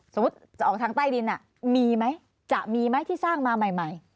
จะออกทางใต้ดินมีไหมจะมีไหมที่สร้างมาใหม่